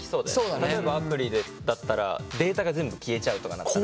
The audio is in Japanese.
例えばアプリだったらデータが全部消えちゃうとかなったらさ。